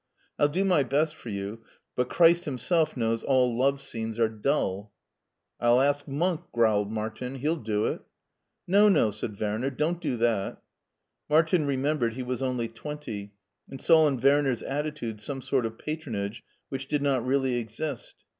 I'll do my best for you, but Christ Himself knows all love scenes are dull." "I'll ask Monk," growled Martin; "he'll do it." " No, no," said Werner, " don't do that." Martin remembered he was only twenty, and saw in Werner's attitude some sort of patronage, which did not really exist.